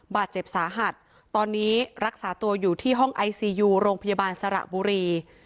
บาดเจ็บสาหัสตอนนี้รักษาตัวอยู่ที่ห้องไอซียูโรงพยาบาลสระบุรี